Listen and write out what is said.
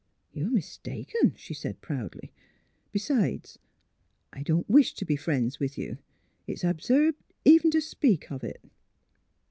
'' You are mistaken," she said, proudly. '' Be sides, I don 't .wish to be friends with you. It is absurd even to speak of it."